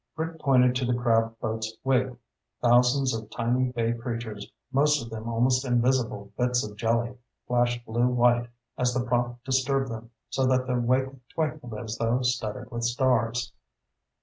Rick pointed to the crab boat's wake. Thousands of tiny bay creatures, most of them almost invisible bits of jelly, flashed blue white as the prop disturbed them, so that the wake twinkled as though studded with stars.